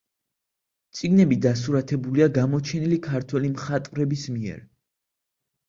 წიგნები დასურათებულია გამოჩენილი ქართველი მხატვრების მიერ.